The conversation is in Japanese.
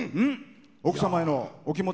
奥様へのお気持ち。